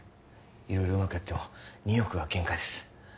色々うまくやっても２億が限界です